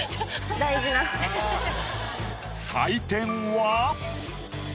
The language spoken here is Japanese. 採点は？